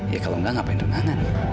ya kalau enggak ngapain undangan